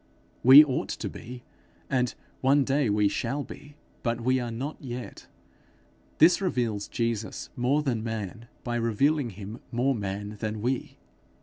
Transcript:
We ought to be, and one day we shall be, but we are not yet. This reveals Jesus more than man, by revealing him more man than we.